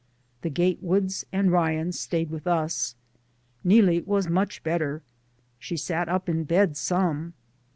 The Gatewoods and Ryans stayed with us. Neelie was much better. She sat up in bed some.